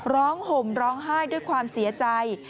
ห่มร้องไห้ด้วยความเสียใจ